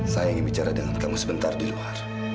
saya ingin bicara dengan kamu sebentar di luar